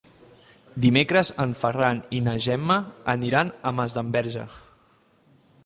Dimecres en Ferran i na Gemma aniran a Masdenverge.